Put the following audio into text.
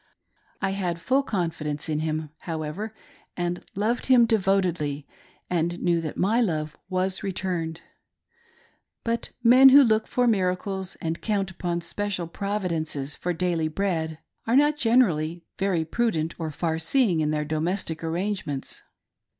I had full confidence in him, however, and loved him devotedly, and knew that my love was returned. But men who look for miracles, and count upon special providen ces for daily bread, are not generally very prudent or far seeing in their domestic arrangements.